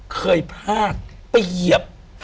เคยพลาดไปเหยียบ